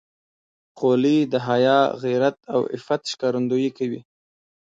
خولۍ د حیا، غیرت او عفت ښکارندویي کوي.